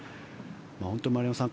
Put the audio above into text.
本当に、丸山さん